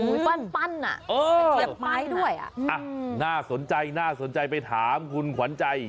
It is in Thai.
ปั้นปั้นอ่ะเออเสียบไม้ด้วยอ่ะน่าสนใจน่าสนใจไปถามคุณขวัญใจ